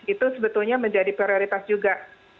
itu sebetulnya menjadi prioritas juga